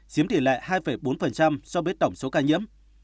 chiếm tỷ lệ hai bốn so với tổng số ca nhiễm